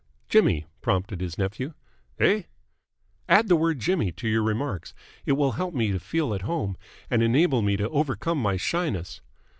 "Jimmy," prompted his nephew. "Eh?" "Add the word Jimmy to your remarks. It will help me to feel at home and enable me to overcome my shyness."